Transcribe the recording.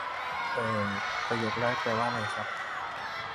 เอ่อ ประโยคแรกแปลว่าไรครับ?